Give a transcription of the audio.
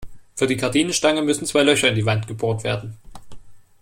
Für die Gardinenstange müssen zwei Löcher in die Wand gebohrt werden.